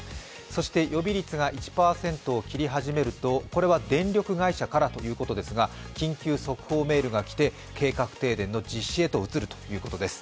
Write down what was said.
そして予備率が１％を切り始めると電力会社からということですが緊急速報メールが来て、計画停電の実施へと移るということです。